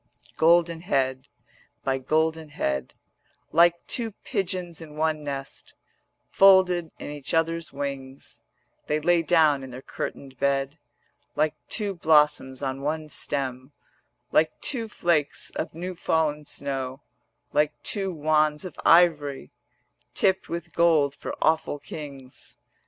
Golden head by golden head, Like two pigeons in one nest Folded in each other's wings, They lay down in their curtained bed: Like two blossoms on one stem, Like two flakes of new fall'n snow, Like two wands of ivory 190 Tipped with gold for awful kings.